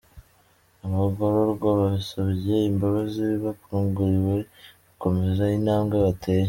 Abagororwa basabye imbabazi bakanguriwe gukomeza intambwe bateye.